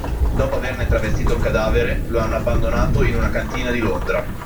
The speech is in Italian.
Dopo averne travestito il cadavere, lo hanno abbandonato in una cantina di Londra